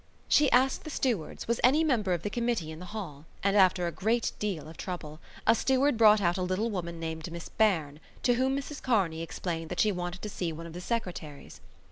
She asked the stewards was any member of the Committee in the hall and, after a great deal of trouble, a steward brought out a little woman named Miss Beirne to whom Mrs Kearney explained that she wanted to see one of the secretaries.